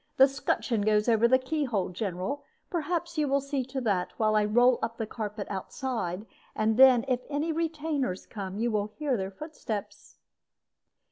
The 'scutcheon goes over the key hole, General. Perhaps you will see to that, while I roll up the carpet outside; and then, if any retainers come, you will hear their footsteps."